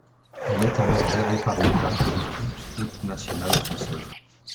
Elle est alors gérée par l'État comme toute route nationale française.